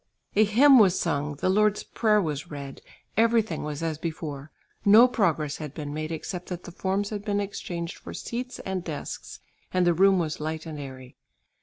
A hymn was sung, the Lord's Prayer was read; everything was as before; no progress had been made except that the forms had been exchanged for seats and desks, and the room was light and airy.